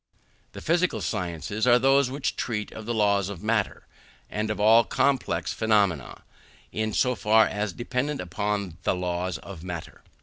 The physical sciences are those which treat of the laws of matter, and of all complex phenomena in so far as dependent upon the laws of matter.